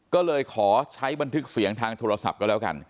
ก็เลยขอใช้บันทึกเสียงทางโทรศัพท์ก็แล้วกัน